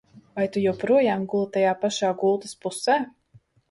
Vai tu joprojām guli tajā pašā gultas pusē?